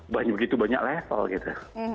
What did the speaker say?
begitu banyak level gitu